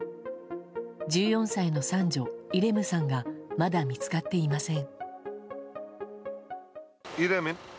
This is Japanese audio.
１４歳の三女イレムさんがまだ見つかっていません。